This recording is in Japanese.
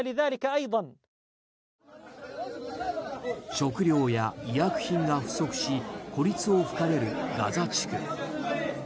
食料や医薬品が不足し孤立を深めるガザ地区。